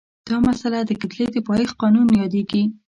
دا مسئله د کتلې د پایښت قانون یادیږي.